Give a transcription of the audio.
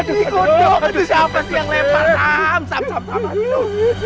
eh eh mau kemana kamu